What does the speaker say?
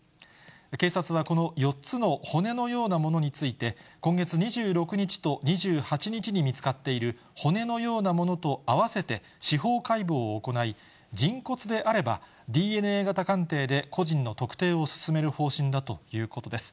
警察はこの４つの骨のようなものについて、今月２６日と２８日に見つかっている骨のようなものと併せて、司法解剖を行い、人骨であれば、ＤＮＡ型鑑定で個人の特定を進める方針だということです。